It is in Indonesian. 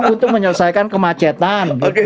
untuk menyelesaikan kemacetan